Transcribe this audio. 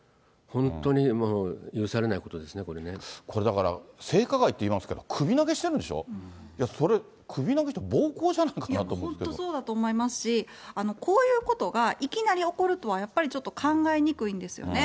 本当に許されないことですね、ここれだから、性加害っていってるけど、首投げしてるんでしょ、それ、首投げって、暴行じゃない本当、そうだと思いますし、こういうことがいきなり起こるとはやっぱりちょっと考えにくいんですよね。